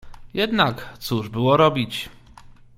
"Jednak cóż było robić!"